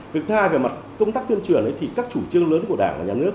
việc thứ hai về mặt công tác tuyên truyền thì các chủ trương lớn của đảng và nhà nước